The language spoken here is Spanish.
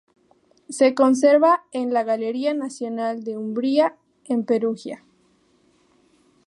Se conserva en la Galería Nacional de Umbría, en Perugia.